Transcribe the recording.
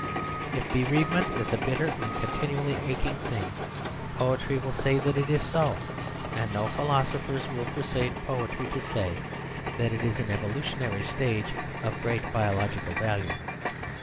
If bereavement is a bitter and continually aching thing, poetry will say that it is so, and no philosophers will persuade poetry to say that it is an evolutionary stage of great biological value.